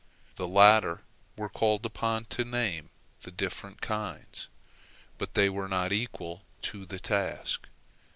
The latter were called upon to name the different kinds, but they were not equal to the task.